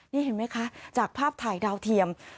นี่เห็นไหมคะจากภาพถ่ายดาวเทียม